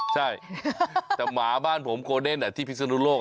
ใช่แต่หมาบ้านผมโกเดนที่พิศนุโลก